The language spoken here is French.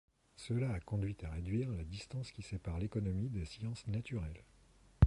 Cela a conduit à réduire la distance qui sépare l'économie des sciences naturelles.